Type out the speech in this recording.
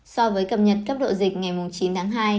so với cập nhật cấp độ dịch ngày chín tháng hai